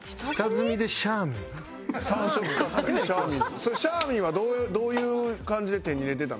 それシャーミーはどういう感じで手に入れてたの？